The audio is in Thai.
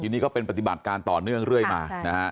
ทีนี้ก็เป็นปฏิบัติการต่อเนื่องเรื่อยมานะฮะ